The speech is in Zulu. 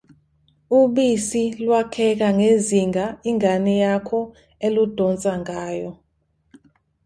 Ubisi lwakheka ngezinga ingane yakho eludonsa ngayo.